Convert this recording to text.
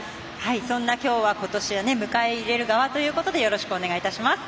そんなきょうは、ことしは迎え入れる側ということでよろしくお願いします。